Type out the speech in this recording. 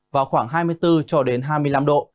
vào khoảng hai mươi bốn cho đến hai mươi năm độ